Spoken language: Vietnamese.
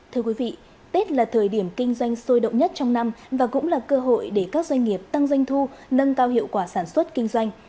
thưa quý vị tết là thời điểm kinh doanh sôi động nhất trong năm và cũng là cơ hội để các doanh nghiệp tăng doanh thu nâng cao hiệu quả sản xuất kinh doanh